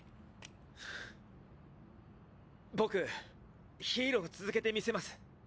僕ヒーロー続けてみせます。